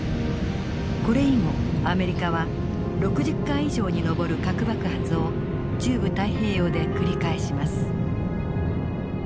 これ以後アメリカは６０回以上に上る核爆発を中部太平洋で繰り返します。